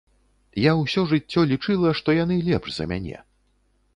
Я ўсё жыццё лічыла, што яны лепш за мяне.